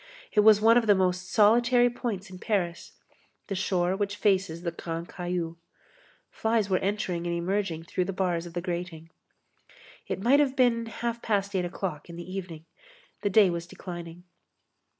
It was one of the most solitary points in Paris; the shore which faces the Grand Caillou. Flies were entering and emerging through the bars of the grating. It might have been half past eight o'clock in the evening. The day was declining.